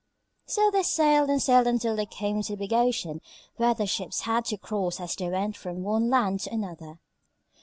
So they sailed and sailed until they came to the big ocean where the ships had to cross as they went from one land to another.